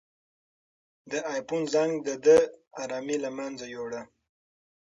د آیفون زنګ د ده ارامي له منځه یووړه.